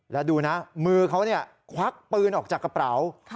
แล้วดูนะมือเขาควักปืนออกจากกระเป๋า